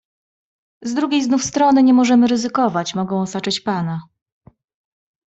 "Z drugiej znów strony nie możemy ryzykować - mogą osaczyć pana."